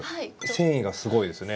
繊維がすごいですね。